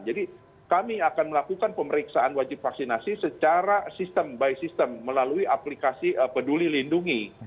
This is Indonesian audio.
jadi kami akan melakukan pemeriksaan wajib vaksinasi secara sistem by system melalui aplikasi peduli lindungi